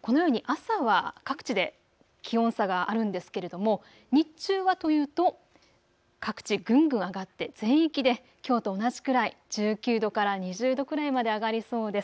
このように朝は各地で気温差があるんですけれども日中はというと各地ぐんぐん上がって全域できょうと同じくらい、１９度からから２０度くらいまで上がりそうです。